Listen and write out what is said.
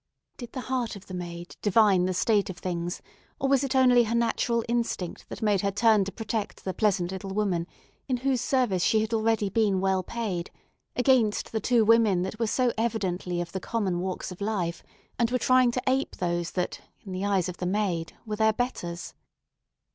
Did the heart of the maid divine the state of things, or was it only her natural instinct that made her turn to protect the pleasant little woman, in whose service she had already been well paid, against the two women that were so evidently of the common walks of life, and were trying to ape those that in the eyes of the maid were their betters?